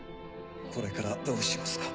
これからどうしますか？